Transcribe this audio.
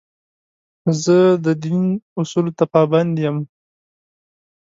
زه د دین اصولو ته پابند یم.